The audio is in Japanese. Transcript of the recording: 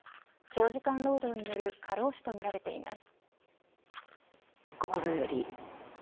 長時間労働による過労死とみられています。